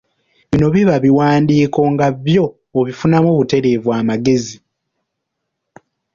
Bino biba biwandiiko nga byo obifunamu butereevu amagezi